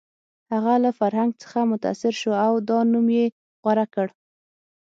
هغه له فرهنګ څخه متاثر شو او دا نوم یې غوره کړ